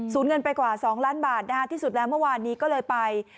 เงินไปกว่า๒ล้านบาทที่สุดแล้วเมื่อวานนี้ก็เลยไป